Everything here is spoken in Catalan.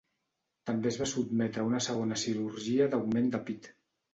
També es va sotmetre a una segona cirurgia d'augment de pit.